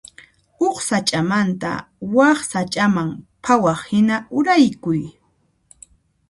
Huk sach'amanta wak sach'aman phawaqhina uraykun.